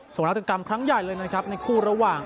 ส่วนรักษากรรมครั้งใหญ่เลยในคู่ระหว่าง